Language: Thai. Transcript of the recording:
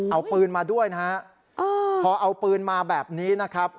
เอาปืนมาด้วยนะฮะพอเอาปืนมาแบบนี้นะครับ